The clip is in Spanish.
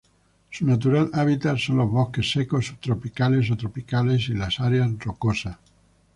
Su natural hábitat son los bosques secos subtropicales o tropicales y las áreas rocosas.